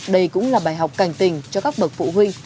đây cũng là bài học cảnh tình cho các bậc phụ huynh